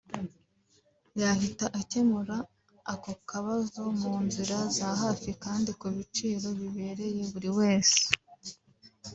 yahita akemura ako kabazo mu nzira za hafi kandi ku biciro bibereye buri wese